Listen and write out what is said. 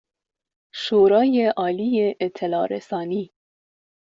شورای عالی اطلاع رسانی